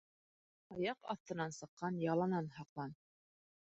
Аяҡ аҫтынан сыҡҡан яланан һаҡлан.